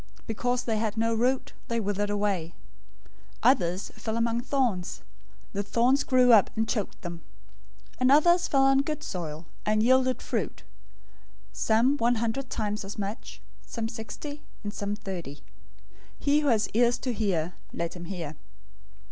Because they had no root, they withered away. 013:007 Others fell among thorns. The thorns grew up and choked them: 013:008 and others fell on good soil, and yielded fruit: some one hundred times as much, some sixty, and some thirty. 013:009 He who has ears to hear, let him hear."